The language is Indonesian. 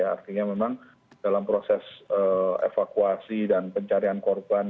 artinya memang dalam proses evakuasi dan pencarian korban